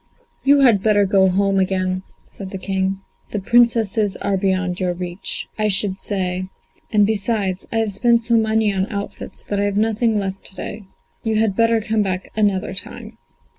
"You had better go home again," said the King, "the Princesses are beyond your reach, I should say; and besides, I have spent so much money on outfits that I have nothing left to day. You had better come back another time."